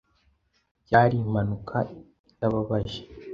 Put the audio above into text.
Byari impanuka itababaje.